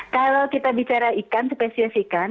kalau kita bicara ikan spesies ikan